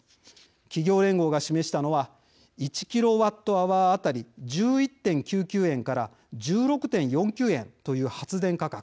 企業連合が示したのは１ｋＷｈ当たり１１．９９円から１６．４９円という発電価格。